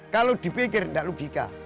kalau dipikir tidak logika